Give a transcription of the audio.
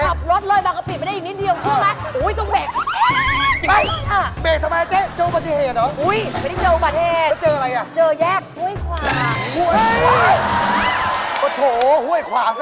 ขับรถเลยบางกะปิไปได้อีกนิดเดียวเชื่อไหม